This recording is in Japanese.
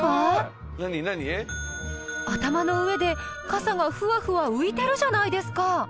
頭の上で傘がふわふわ浮いてるじゃないですか！